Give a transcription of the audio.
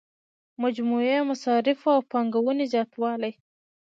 مجموعي مصارفو او پانګونې زیاتوالی.